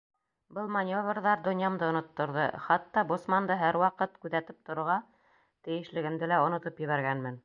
Был маневрҙар донъямды онотторҙо, хатта боцманды һәр ваҡыт күҙәтеп торорға тейешлегемде лә онотоп ебәргәнмен.